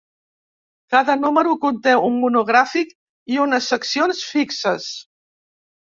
Cada número conté un monogràfic i unes seccions fixes.